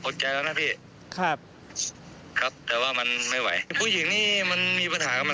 ใจแล้วนะพี่ครับครับแต่ว่ามันไม่ไหวผู้หญิงนี่มันมีปัญหากับมัน